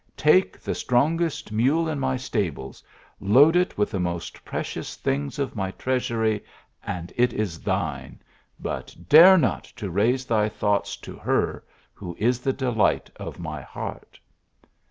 Take the strongest mule in my stables, load it with the most precious things of my treasury, and it is thine ; but dare not to raise thy thoughts to her, who is the delight of my heart."